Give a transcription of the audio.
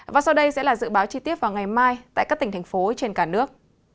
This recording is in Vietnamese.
và sau đây sẽ là dự báo chi tiết vào ngày mai tại các tỉnh thành phố trên cả nước